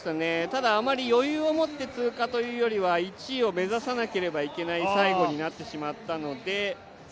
ただあまり余裕を持って通過というよりは１位を目指さなければいけない最後になってしまったので。